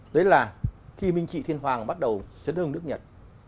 đấy là khi minh trị thiên hoàng bắt đầu chấn hương nước nhật